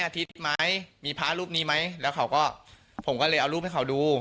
ทิตย์ไหมมีพระรูปนี้ไหมแล้วเขาก็ผมก็เลยเอารูปให้เขาดู